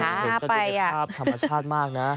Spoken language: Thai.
เห็นจนอยู่ในภาพธรรมชาติมากนะ